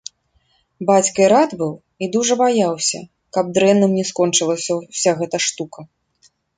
Бацька і рад быў і дужа баяўся, каб дрэнным не скончылася ўся гэта штука.